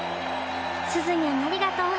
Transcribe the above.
すずにゃんありがとう。